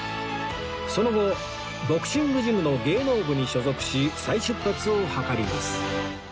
その後ボクシングジムの芸能部に所属し再出発を図ります